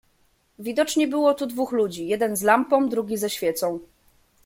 "Widocznie było tu dwóch ludzi, jeden z lampą, drugi ze świecą."